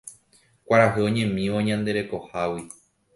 Kuarahy oñemívo ñande rekohágui